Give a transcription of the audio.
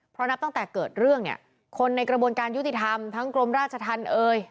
เพราะนับตั้งแต่เกิดเรื่องเนี่ยคนในกระบวนการยุติธรรมทั้งกรมราชธรรมเอ่ย